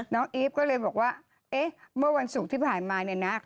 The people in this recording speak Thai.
อีฟก็เลยบอกว่าเอ๊ะเมื่อวันศุกร์ที่ผ่านมาเนี่ยนะ